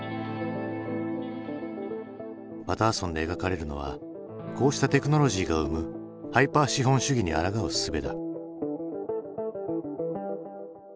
「パターソン」で描かれるのはこうしたテクノロジーが生むハイパー資本主義にあらがうすべだ。